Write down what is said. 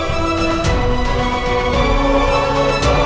anak jugafc connects ramput merumpaan metruber di sana